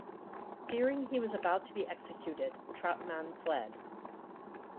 Fearing he was about to be executed, Trautmann fled.